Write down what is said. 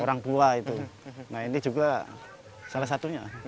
orang tua itu nah ini juga salah satunya